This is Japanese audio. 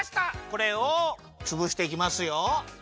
これをつぶしていきますよ。